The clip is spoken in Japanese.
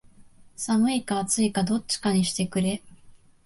寒いか暑いかどっちかにしてくれ